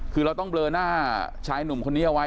คือเราต้องเบลอหน้าชายหนุ่มคนนี้เอาไว้